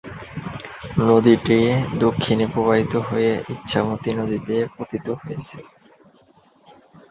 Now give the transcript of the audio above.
নদীটি দক্ষিণে প্রবাহিত হয়ে ইছামতি নদীতে পতিত হয়েছে।